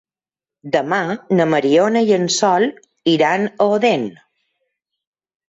Demà na Mariona i en Sol iran a Odèn.